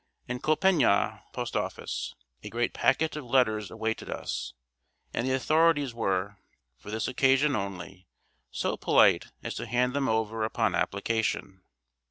In Compiègne post office a great packet of letters awaited us; and the authorities were, for this occasion only, so polite as to hand them over upon application.